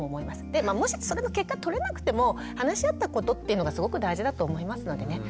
でもしそれの結果取れなくても話し合ったことっていうのがすごく大事だと思いますのでね